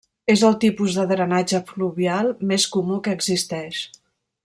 És el tipus de drenatge fluvial més comú que existeix.